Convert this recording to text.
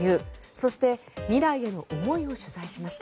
そして未来への思いを取材しました。